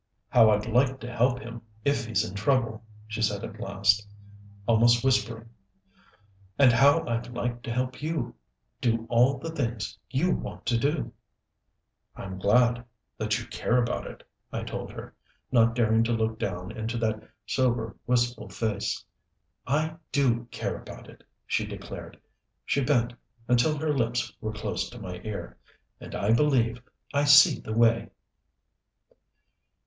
"How I'd like to help him, if he's in trouble," she said at last, almost whispering. "And how I'd like to help you do all the things you want to do." "I'm glad that you care about it," I told her, not daring to look down into that sober, wistful face. "I do care about it," she declared. She bent, until her lips were close to my ear. "And I believe I see the way."